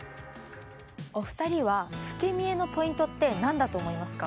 お二人は老け見えのポイントって何だと思いますか？